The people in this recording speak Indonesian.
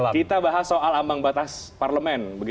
kita bahas soal ambang batas parlemen